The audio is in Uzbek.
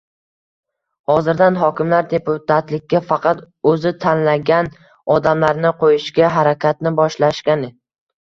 Hozirdan hokimlar deputatlikka faqat o‘zi tanlagan odamlarini qo‘yishga harakatni boshlashgan.